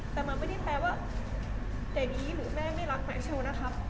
แต่มันไม่ได้แปลว่าอย่างนี้หรือแม่ไม่รักแมชเชลนะครับ